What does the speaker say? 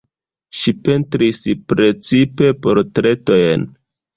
Ŝi pentris precipe portretojn.